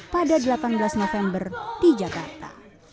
pada delapan belas november di jakarta